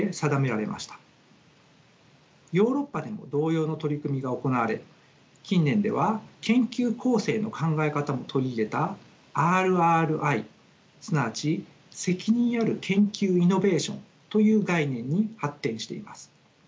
ヨーロッパでも同様の取り組みが行われ近年では研究公正の考え方も取り入れたＲＲＩすなわち責任ある研究イノベーションという概念に発展しています。